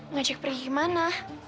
ngajak pergi ke mana